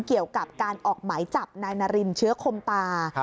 เกี่ยวกับการออกหมายจับนายนารินเชื้อคมตา